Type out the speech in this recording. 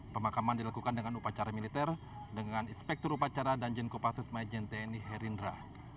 pemakaman dilakukan dengan upacara militer dengan inspektur upacara dan jinko pasisma jinteni herindra